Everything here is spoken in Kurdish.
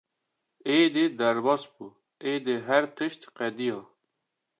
“Êdî derbas bû, êdî her tişt qediya!”